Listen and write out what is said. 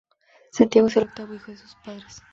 Santiago es el octavo hijo de sus padres.